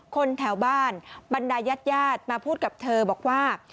คนแถวบ้านบรรดายาดมาพูดกับเธอบอกว่า